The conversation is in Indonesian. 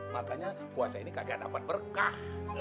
makanya puasa ini kagak dapat berkah